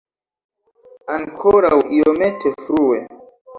Ankoraŭ iomete frue.